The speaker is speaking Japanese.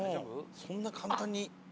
そんな簡単に。